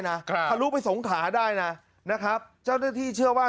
น่ะค่ะทะลุไปสงขาได้น่ะนะครับเจ้าที่เชื่อว่า